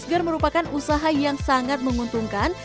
masker merupakan usaha yang sangat menguntungkan